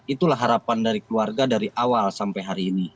itulah harapan dari keluarga dari awal sampai hari ini